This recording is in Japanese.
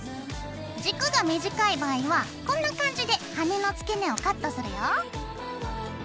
軸が短い場合はこんな感じで羽根の付け根をカットするよ。